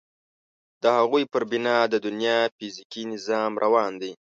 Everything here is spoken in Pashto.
د هغوی پر بنا د دنیا فیزیکي نظام روان دی.